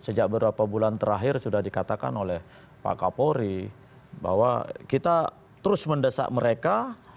sejak beberapa bulan terakhir sudah dikatakan oleh pak kapolri bahwa kita terus mendesak mereka